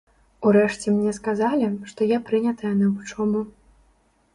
Урэшце мне сказалі, што я прынятая на вучобу.